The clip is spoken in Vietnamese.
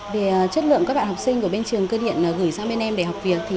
về chất lượng các bạn học sinh của bên trường cơ điện gửi sang bên em để học việc